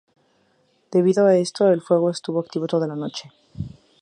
Debido a esto, el fuego estuvo activo toda la noche.